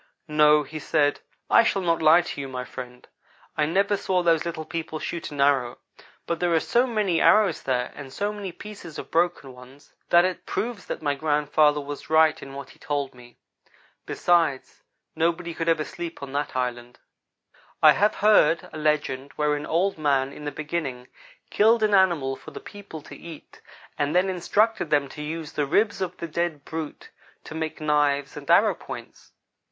"No," he said, "I shall not lie to you, my friend. I never saw those little people shoot an arrow, but there are so many arrows there, and so many pieces of broken ones, that it proves that my grandfather was right in what he told me. Besides, nobody could ever sleep on that island." I have heard a legend wherein Old man, in the beginning, killed an animal for the people to eat, and then instructed them to use the ribs of the dead brute to make knives and arrow points.